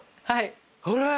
はい。